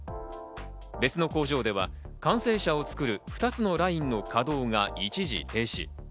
別の工場では完成車を作る２つのラインの稼働が一時停止。